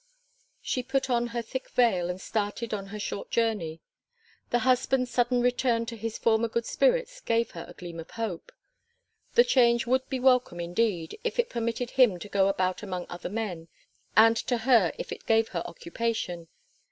She put on her thick veil and started on her short journey. The husband's sudden return to his former good spirits gave her a gleam of hope. The change would be welcome indeed if it permitted him to go about among other men, and to her if it gave her occupation.